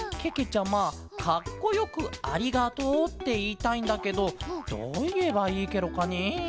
ちゃまかっこよく「ありがとう」っていいたいんだけどどういえばいいケロかねえ？